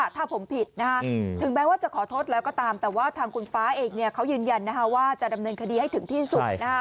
ถ้าผมผิดถึงแม้ว่าจะขอโทษแล้วก็ตามแต่ว่าทางคุณฟ้าเองเขายืนยันว่าจะดำเนินคดีให้ถึงที่สุด